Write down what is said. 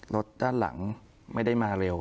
รถด้านหลังไม่ได้มาเร็ว